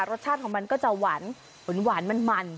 รสชาติของมันก็จะหวานหวานมัน